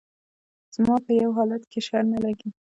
زما په يو حالت کښې شر نه لګي